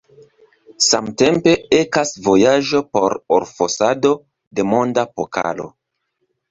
Samtempe ekas vojaĝo por orfosado de Monda Pokalo.